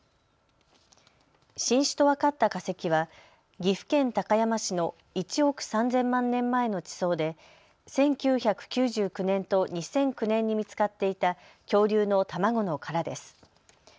新種と分かった化石は岐阜県高山市の１億３０００万年前の地層で１９９９年と２００９年に見つかっていた恐竜の卵の殻です。